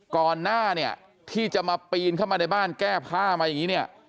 ก่อนหน้าเนี่ยที่จะมาปีนเข้ามาในบ้านแก้ผ้ามาอย่างนี้เนี่ย